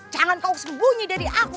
jangan kau sembunyi dari aku